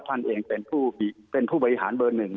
ท่านเองเป็นผู้บริหารเบอร์๑